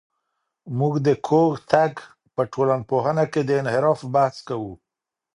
موږ د کوږتګ په ټولنپوهنه کې د انحراف بحث کوو.